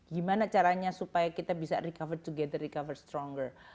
gimana caranya supaya kita bisa recover together recover stronger